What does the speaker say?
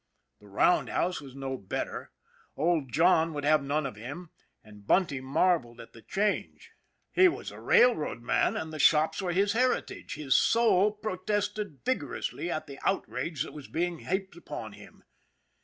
The roundhouse was no better. Old John would have none of him, and Bunty marveled at the change* 26 ON THE IRON AT BIG CLOUD He was a railroad man, and the shops were his heritage. His soul protested vigorously at the outrage that was being heaped upon him.